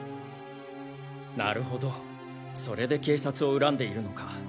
なるほどそれで警察を恨んでいるのか。